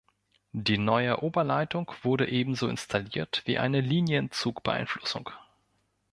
Eine neue Oberleitung wurde ebenso installiert wie eine Linienzugbeeinflussung.